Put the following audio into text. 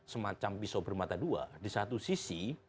semacam pisau bermata dua di satu sisi